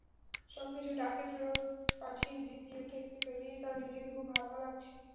সবকিছু ডাকে ফেরত পাঠিয়ে জিপিও থেকে বেরিয়ে তার নিজেকে খুব হালকা লাগছে।